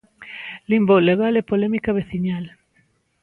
Limbo legal e polémica veciñal...